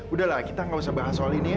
udahlah kita nggak usah bahas soal ini ya